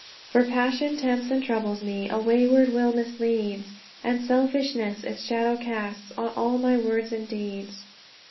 For passion tempts and troubles me, A wayward will misleads, And selfishness its shadow casts On all my words and deeds.